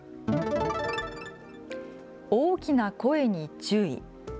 大きな声に注意。